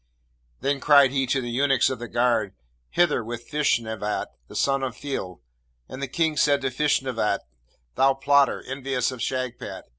Then cried he to the eunuchs of the guard, 'Hither with Feshnavat, the son of Feil!' And the King said to Feshnavat, 'Thou plotter! envious of Shagpat!'